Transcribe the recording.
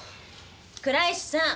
倉石さん